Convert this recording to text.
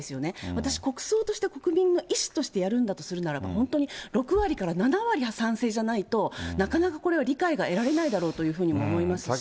私、国葬として国民の意思としてやるんだとするならば、６割から７割は賛成じゃないと、なかなかこれは理解が得られないだろうというふうに思いますし。